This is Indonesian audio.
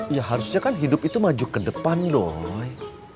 ya harusnya kan hidup itu maju ke depan dong